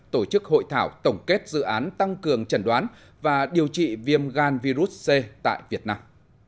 tổ chức hội thảo tổng kết dự án tăng cường trần đoán và điều trị viêm gan virus c tại việt nam